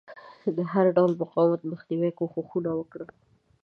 د هر ډول مقاومت د مخنیوي کوښښونه وکړل.